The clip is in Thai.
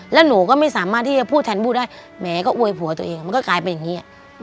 แล้วหนูก็ไม่สามารถที่จะพูดแทนพูดได้แหมก็อวยผัวตัวเองมันก็กลายเป็นอย่างนี้